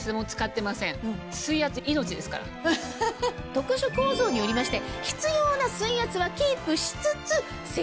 特殊構造によりまして。